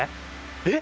えっ！